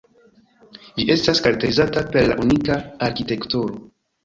Ĝi estas karakterizata per la unika arkitekturo.